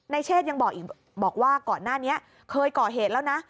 ในเชศยังบอกว่าก่อนหน้านี้เคยเกาะเหตุแล้วนะ